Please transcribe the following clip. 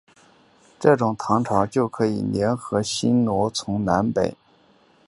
这样唐朝就可以联合新罗从南北两面共同攻打高句丽。